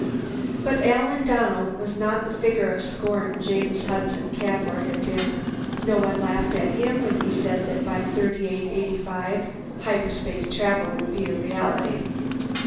But Alan Donnell was not the figure of scorn James Hudson Cavour had been; no one laughed at him when he said that by 3885 hyperspace travel would be reality.